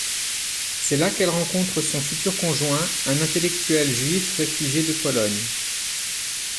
C'est là qu'elle rencontre son futur conjoint, un intellectuel juif réfugié de Pologne.